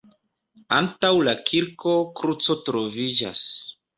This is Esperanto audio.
Antaŭ la kirko kruco troviĝas.